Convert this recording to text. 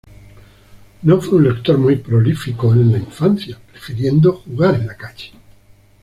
No fue un lector muy prolífico en la infancia, prefiriendo jugar en la calle.